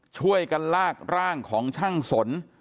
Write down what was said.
ช่วยกันลากร่างของช่างสน